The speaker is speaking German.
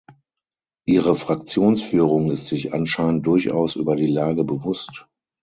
Ihre Fraktionsführung ist sich anscheinend durchaus über die Lage bewusst.